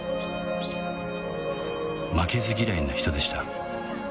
負けず嫌いな人でした